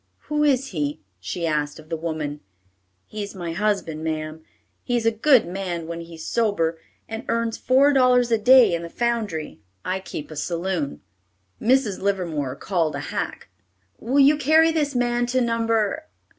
"Who is he?" she asked of the woman. "He's my husband, ma'am. He's a good man when he is sober, and earns four dollars a day in the foundry. I keep a saloon." Mrs. Livermore called a hack. "Will you carry this man to number